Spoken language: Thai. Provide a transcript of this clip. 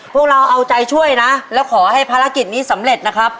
พวกเราเอาใจช่วยนะแล้วขอให้ภารกิจนี้สำเร็จนะครับ